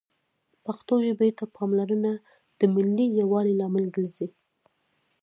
پښتو ژبې ته پاملرنه د ملي یووالي لامل کېږي